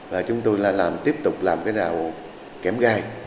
và chúng tôi tiếp tục làm rào kém gai